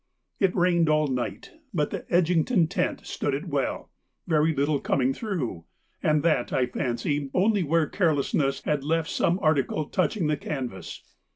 It rained all night, but the Edgington tent stood it well, very little coming through, and that, I fancy, only where carelessness had left some article touching the canvas.